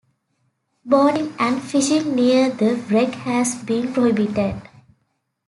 Boating and fishing near the wreck has been prohibited.